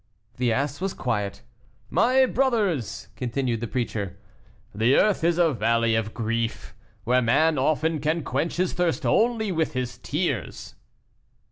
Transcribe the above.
The ass was quiet. "My brothers," continued the preacher, "the earth is a valley of grief, where man often pan quench his thirst only with his tears."